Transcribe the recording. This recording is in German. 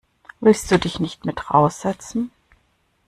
Willst du dich nicht mit raus setzen?